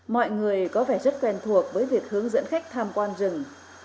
mọi người có vẻ rất quen thuộc với việc hướng dẫn khách tham quan rừng